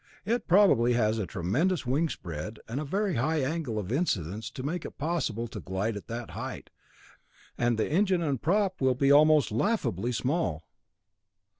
It probably has a tremendous wingspread and a very high angle of incidence to make it possible to glide at that height, and the engine and prop will be almost laughably small."